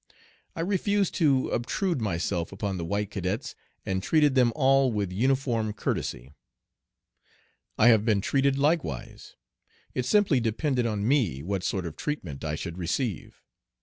I refused to obtrude myself upon the white cadets, and treated them all with uniform courtesy. I have been treated likewise. It simply depended on me what sort of treatment I should receive.